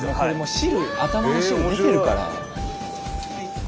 汁頭の汁出てるから。